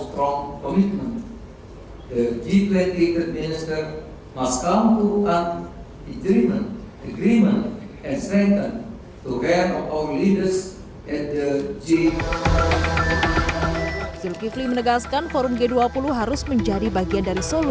zulkifli menegaskan forum g dua puluh harus menjadi bagian dari solusi